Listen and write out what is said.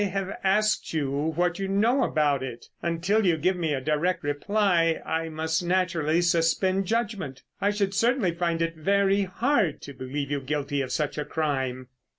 "I have asked you what you know about it. Until you give me a direct reply I must naturally suspend judgment. I should certainly find it very hard to believe you guilty of such a crime."